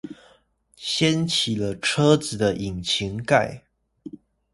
掀起了車子的引擎蓋